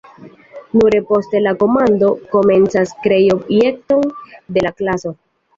Nure poste la komando komencas krei objekton de la klaso.